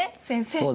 先生。